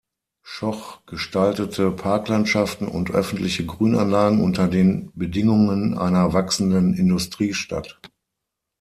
Schoch gestaltete Parklandschaften und öffentliche Grünanlagen unter den Bedingungen einer wachsenden Industriestadt.